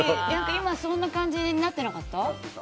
今そんな感じになってなかった？